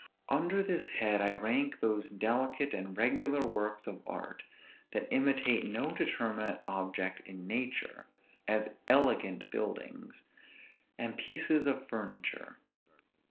Under this head I rank those delicate and regular works of art, that imitate no determinate object in nature, as elegant buildings, and pieces of furniture.